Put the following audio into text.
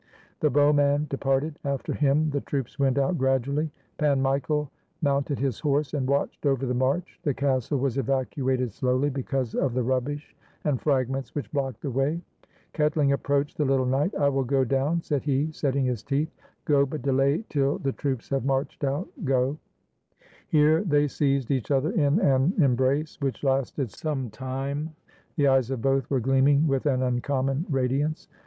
The bowman departed. After him the troops went out gradually. Pan Michael mounted his horse and watched over the march. The castle was evacuated slowly, because of the rubbish and fragments which blocked the way. KetHng approached the Uttle knight. "I will go down," said he, setting his teeth. "Go! but delay till the troops have marched out. Go!" 142 THE SURRENDER OF KAMENYETZ Here they seized each other in an embrace which lasted some time. The eyes of both were gleaming with an uncommon radiance.